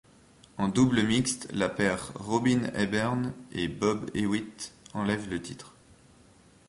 En double mixte, la paire Robyn Ebbern et Bob Hewitt enlève le titre.